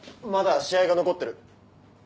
まだ試合が残ってる。